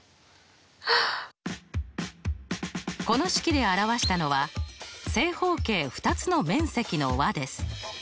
この式で表したのは正方形２つの面積の和です。